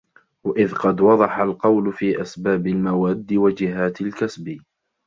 وَإِذْ قَدْ وَضَحَ الْقَوْلُ فِي أَسْبَابِ الْمَوَادِّ وَجِهَاتِ الْكَسْبِ